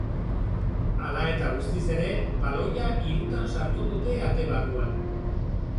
Hala eta guztiz ere, baloia hirutan sartu dute ate barruan.